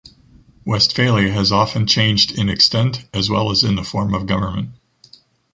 Westphalia has often changed in extent, as well as in the form of government.